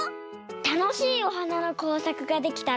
たのしいおはなのこうさくができたら。